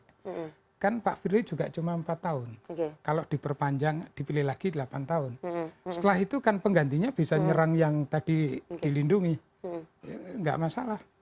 karena kan pak firly juga cuma empat tahun kalau diperpanjang dipilih lagi delapan tahun setelah itu kan penggantinya bisa nyerang yang tadi dilindungi tidak masalah